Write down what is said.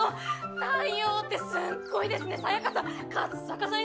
太陽って、すっごいですねサヤカさん！